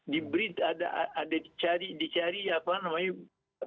diberit ada dicari dicari apa namanya